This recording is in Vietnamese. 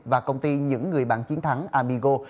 và công ty những người bạn chiến thắng amigo